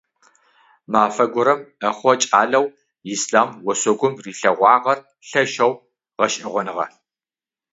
Мафэ горэм ӏэхъо кӏалэу Ислъам ошъогум рилъэгъуагъэр лъэшэу гъэшӏэгъоныгъэ.